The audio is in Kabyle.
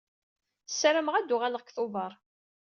Ssarameɣ ad uɣaleɣ deg Tubeṛ.